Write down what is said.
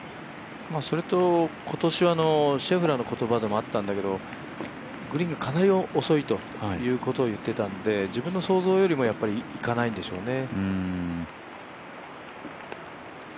それと、今年はシェフラーの言葉でもあったんだけどグリーンがかなり遅いということを言ってたので自分の想像よりもいかないんでしょうね。